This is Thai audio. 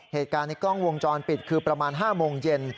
เหตุการณ์ในกล้องวงจรปิดคือประมาณ๕โมงเย็น